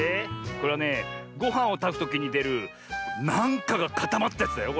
これはねごはんをたくときにでるなんかがかたまったやつだよ